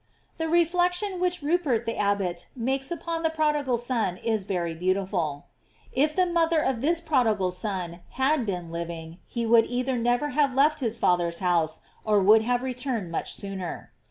The reflection which Rupert the abbot makes upon the prodigal son is very beauti ful. If the mother of this prodigal son had been living, he would either never have left his father's house or would have returned much sooner.